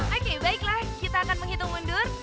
oke baiklah kita akan menghitung mundur